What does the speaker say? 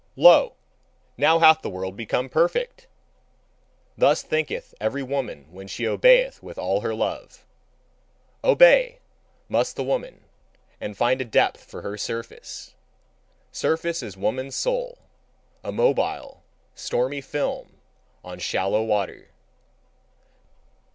"Lo! now hath the world become perfect!" thus thinketh every woman when she obeyeth with all her love. Obey, must the woman, and find a depth for her surface. Surface, is woman's soul, a mobile, stormy film on shallow water.